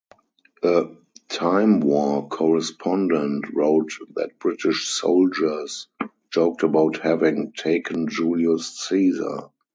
A "Time" war correspondent wrote that British soldiers joked about having "taken Julius Caesar".